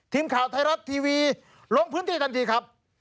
ทีมข่าวไทยรัฐทีวีลงพื้นที่ทันทีครับ